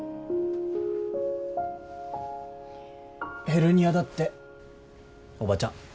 ヘルニアだっておばちゃん。